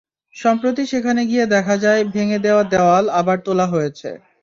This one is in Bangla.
সম্প্রতি সেখানে গিয়ে দেখা যায়, ভেঙে দেওয়া দেয়াল আবার তোলা হয়েছে।